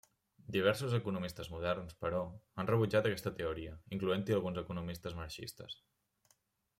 Diversos economistes moderns, però, han rebutjat aquesta teoria, incloent-hi alguns economistes marxistes.